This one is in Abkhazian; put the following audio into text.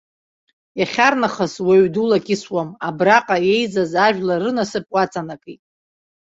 Иахьарнахыс уаҩ дулакьысуам, абраҟа еизаз ажәлар рынасыԥ уаҵанакит.